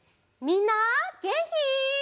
みんなげんき？